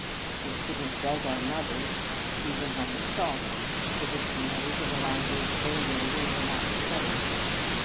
We could n t beg our mothers, even when we saw them, for diction aries of a language they knew we were not studying.